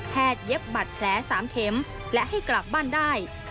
เย็บบัตรแผล๓เข็มและให้กลับบ้านได้